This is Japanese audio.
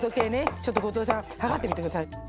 ちょっと後藤さん測ってみて下さい。